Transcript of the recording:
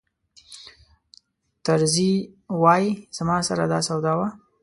طرزي وایي زما سره دا سودا وه.